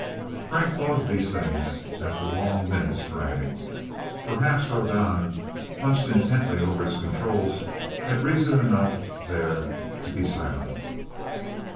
Frank thought of these things as the long minutes dragged. Perhaps Rodan, hunched intently over his controls, had reason enough, there, to be silent...